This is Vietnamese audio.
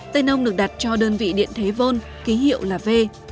tên ông được đặt cho đơn vị điện thế vô ký hiệu là v